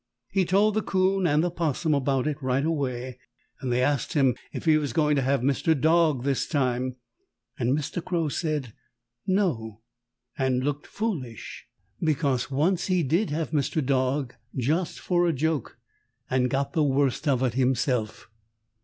He told the 'Coon and the 'Possum about it right away, and they asked him if he was going to have Mr. Dog this time, and Mr. Crow said "No" and looked foolish, because once he did have Mr. Dog just for a joke and got the worst of it himself.